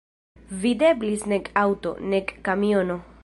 Videblis nek aŭto, nek kamiono.